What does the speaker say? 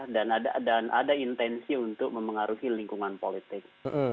dan ada intensi untuk memengaruhi lingkungan politik